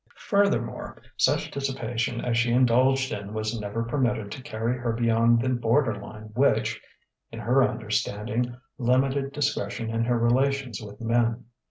Furthermore, such dissipation as she indulged in was never permitted to carry her beyond the border line which, in her understanding, limited discretion in her relations with men.